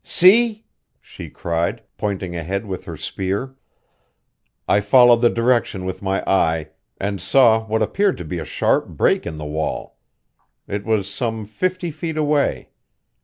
"See!" she cried, pointing ahead with her spear. I followed the direction with my eye, and saw what appeared to be a sharp break in the wall. It was some fifty feet away.